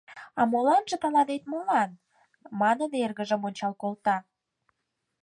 А моланже тыланет молан? — манын, эргыжым ончал колта.